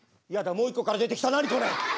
もう一個から出てきた何これ。